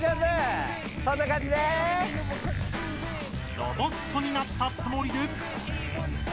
ロボットになったつもりで。